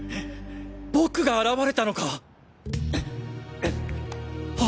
僕が現れたのか！